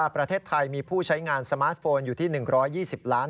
ประเทศไทยมีผู้ใช้งานสมาร์ทโฟนอยู่ที่๑๒๐ล้าน